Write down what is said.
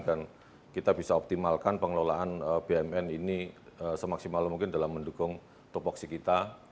dan kita bisa optimalkan pengelolaan bnm ini semaksimal mungkin dalam mendukung tupuksi kita